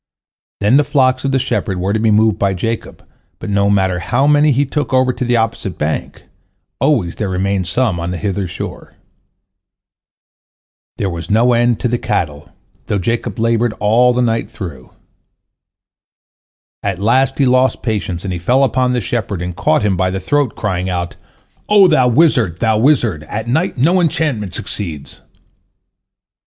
Then the flocks of the shepherd were to be moved by Jacob, but no matter how many he took over to the opposite bank, always there remained some on the hither shore. There was no end to the cattle, though Jacob labored all the night through. At last he lost patience, and he fell upon the shepherd and caught him by the throat, crying out, "O thou wizard, thou wizard, at night no enchantment succeeds!"